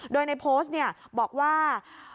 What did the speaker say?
โดยในโพสต์บอกว่า